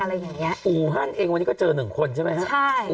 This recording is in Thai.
อันนี้วันนี้ก็เจอ๑คนใช่ไหม